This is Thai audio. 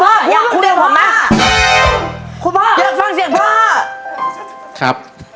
เลยคุณพ่อคุณพ่อพวก้่งผมนะ